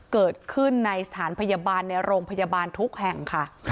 เกิดขึ้นในสถานพยาบาลในโรงพยาบาลทุกแห่งค่ะ